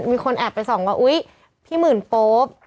มีคนแอบไปส่องว่าอุ๊ยพี่หมื่นโป๊ป